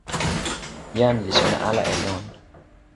jan li sona ala e lon.